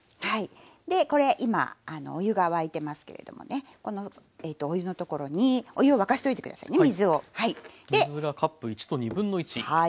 でこれ今お湯が沸いてますけれどもねこのお湯のところにお湯を沸かしといて下さいね水をはい。